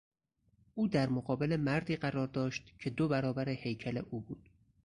او در مقابل مردی قرار داشت که دو برابر هیکل او بود.